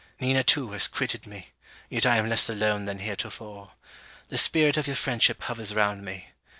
Nina too has quitted me; yet I am less alone than heretofore. The spirit of your friendship hovers round me.